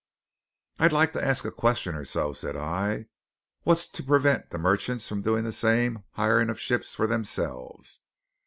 "I'd like to ask a question or so," said I. "What's to prevent the merchants doing this same hiring of ships for themselves?"